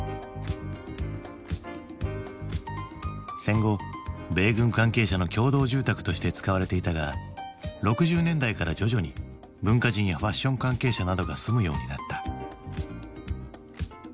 戦後米軍関係者の共同住宅として使われていたが６０年代から徐々に文化人やファッション関係者などが住むようになった。